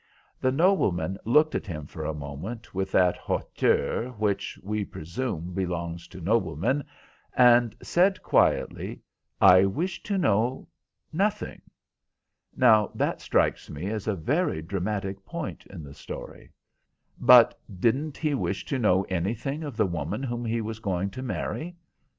The nobleman looked at him for a moment with that hauteur which, we presume, belongs to noblemen, and said quietly, 'I wish to know nothing.' Now, that strikes me as a very dramatic point in the story." "But didn't he wish to know anything of the woman whom he was going to marry?"